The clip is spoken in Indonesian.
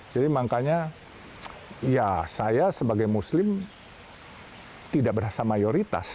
jadi makanya ya saya sebagai muslim tidak berasa mayoritas